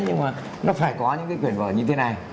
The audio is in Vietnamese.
nhưng mà nó phải có những cái quyền vở như thế này